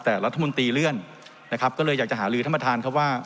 แต่รัฐมนตรีเลื่อนนะครับก็เลยอยากจะหาลือท่านประธานครับว่า